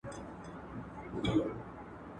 ليورزی د ليور زوی ته وايي